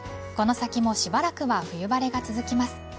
この先もしばらくは冬晴れが続きます。